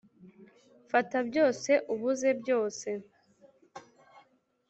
fata byose, ubuze byose.